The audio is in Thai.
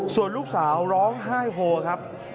ส่วนลูกสาวร้องไห้โฮครับ